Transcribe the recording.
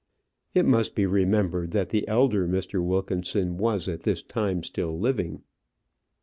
It must be remembered that the elder Mr. Wilkinson was at this time still living.